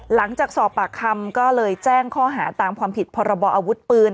หลังจากสอบปากคำก็เลยแจ้งข้อหาตามความผิดพรบออาวุธปืน